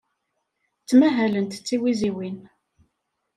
Ttmahalent d tiwiziwin.